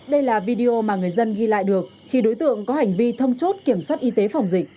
đây là video mà người dân ghi lại được khi đối tượng có hành vi thông chốt kiểm soát y tế phòng dịch